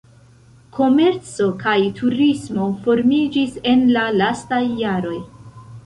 Komerco kaj turismo formiĝis en la lastaj jaroj.